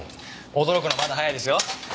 驚くのはまだ早いですよ。